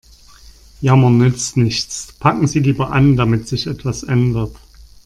Jammern nützt nichts, packen Sie lieber an, damit sich etwas ändert.